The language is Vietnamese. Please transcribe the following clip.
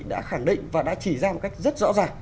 đã khẳng định và đã chỉ ra một cách rất rõ ràng